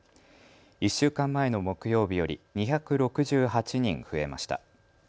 １週間前の木曜日より２６８人増えました。